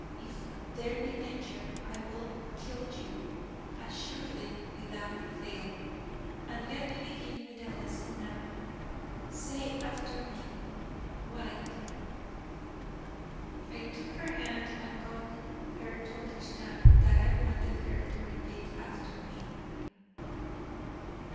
If there be danger, I will kill you: assuredly without fail. And let me begin with a lesson now: say after me: 'White.'" I took her hand, and got her to understand that I wanted her to repeat after me.